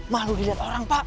malu dilihat orang pak